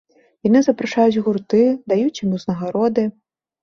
Яны запрашаюць гурты, даюць ім узнагароды.